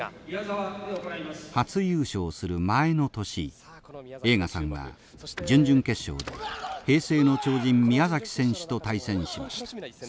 初優勝する前の年栄花さんは準々決勝で平成の超人宮崎選手と対戦しました。